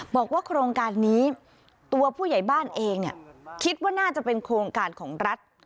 บอกว่าโครงการนี้ตัวผู้ใหญ่บ้านเองคิดว่าน่าจะเป็นโครงการของรัฐ